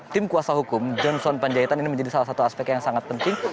tim kuasa hukum johnson panjaitan ini menjadi salah satu aspek yang sangat penting